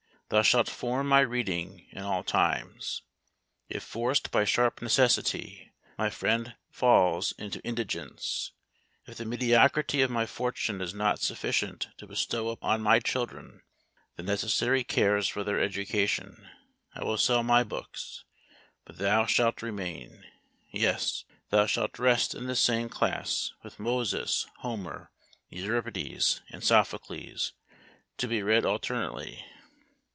thou shalt form my reading in all times. If forced by sharp necessity, my friend falls into indigence; if the mediocrity of my fortune is not sufficient to bestow on my children the necessary cares for their education, I will sell my books, but thou shalt remain! yes, thou shalt rest in the same class with MOSES, HOMER, EURIPIDES, and SOPHOCLES, to be read alternately.